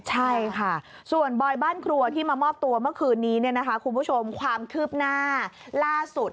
ใช่ค่ะส่วนบอยบ้านครัวที่มามอบตัวเมื่อคืนนี้คุณผู้ชมความคืบหน้าล่าสุด